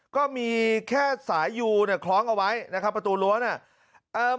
ก็มีแค่สายยูเนี่ยคล้องเอาไว้นะครับประตูรั้วเนี่ยเอ่อ